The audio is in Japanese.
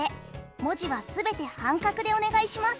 文字は全て半角でお願いします。